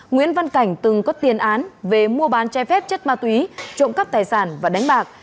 nguyễn văn cảnh từng có tiền án về mua bán chai phép chất ma túy trộm cắp tài sản và đánh bạc